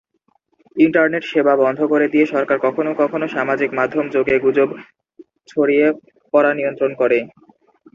Internet সেবা বন্ধ করে দিয়ে সরকার কখনও কখনও সামাজিক মাধ্যম যোগে গুজব ছড়িয়ে পড়া নিয়ন্ত্রণ করে।